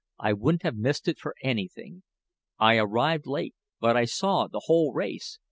"I wouldn't have missed it for anything. I arrived late, but I saw the whole race.